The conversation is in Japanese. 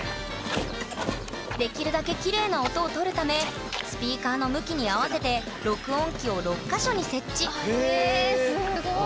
できるだけきれいな音をとるためスピーカーの向きに合わせて録音機を６か所に設置へすごい。